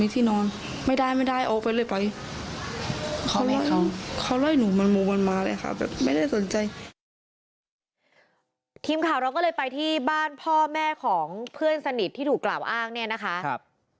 ทีมข่าวเราก็เลยไปที่บ้านพ่อแม่ของเพื่อนสนิทที่ถูกกล่าวอ้างเนี่ยนะคะ